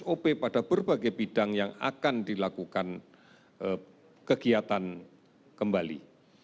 sop pada berbagai bidang yang akan dilakukan kegiatan kembali